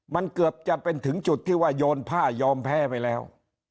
มันเกือบจะเป็นถึงจุดที่ว่าโยนผ้ายอมแพ้ไปแล้ว